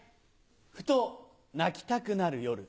ふと泣きたくなる夜。